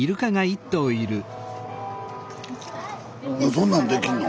そんなんできんの？